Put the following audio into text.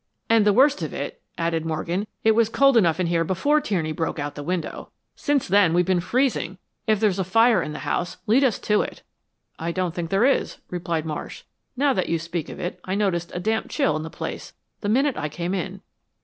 "And the worst of it is," added Morgan, "it was cold enough in here before Tierney broke out the window. Since then we've been freezing. If there's a fire in the house, lead us to it." "I don't think there is," replied Marsh. "Now that you speak of it, I noticed a damp chill in the place the minute I came in.